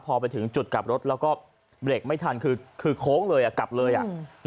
พอไปถึงจุดกลับรถแล้วก็เบรกไม่ทันคือคือโค้งเลยอ่ะกลับเลยอ่ะ